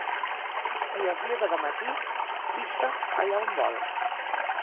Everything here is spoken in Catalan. Qui es lleva de matí, pixa allà on vol.